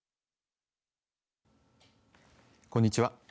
こんにちは。